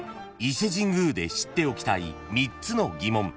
［伊勢神宮で知っておきたい３つの疑問］